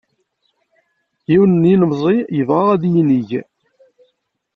Yiwen n yilemẓi yebɣa ad yinig.